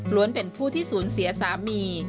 เป็นผู้ที่สูญเสียสามี